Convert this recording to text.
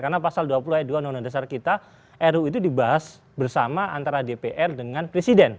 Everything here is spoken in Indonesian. karena pasal dua puluh e dua undang undang dasar kita ru itu dibahas bersama antara dpr dengan presiden